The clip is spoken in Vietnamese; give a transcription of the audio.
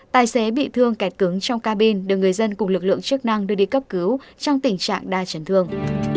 tài xế bị thương kẹt cứng trong cabin được người dân cùng lực lượng chức năng đưa đi cấp cứu trong tình trạng đa chấn thương